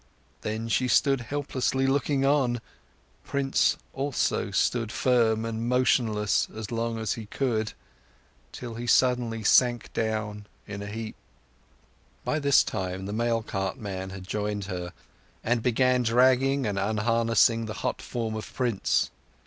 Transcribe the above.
Then she stood helplessly looking on. Prince also stood firm and motionless as long as he could; till he suddenly sank down in a heap. By this time the mail cart man had joined her, and began dragging and unharnessing the hot form of Prince.